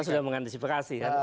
karena sudah mengantisifikasi kan